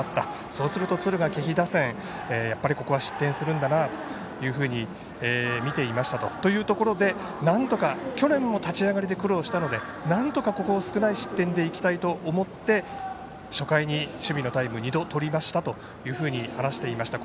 そうすると敦賀気比打線には失点するんだなと見ていましたというところで去年も立ち上がりで苦労したので、なんとかここを少ない失点でいきたいと思って初回に守備のタイムを２度取りましたと話していました。